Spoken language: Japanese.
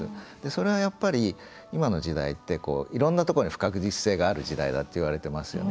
それは、やっぱり今の時代っていろんなところに不確実性がある時代だって言われてますよね。